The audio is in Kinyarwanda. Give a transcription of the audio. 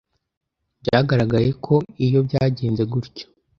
Byagaragaye ko iyo byagenze gutyo